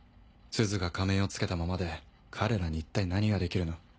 すずが仮面をつけたままで彼らに一体何ができるの？